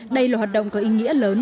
đây là hoạt động có ý nghĩa lớn